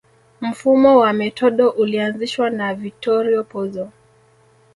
Mfumo wa metodo ulianzishwa na Vittorio Pozzo